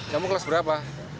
kamu kelas berapa